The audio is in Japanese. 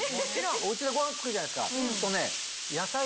おうちでごはん作るじゃないですか。